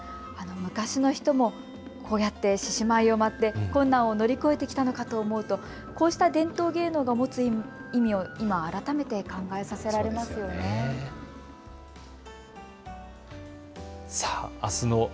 昔の人も、こうやって獅子舞を舞って、困難を乗り越えてきたのかと思うとこうした伝統芸能の持つ意味を改めて考えさせられますね。